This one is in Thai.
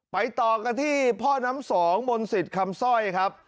ต่อกันที่พ่อน้ำสองมนศิษย์คำสร้อยครับ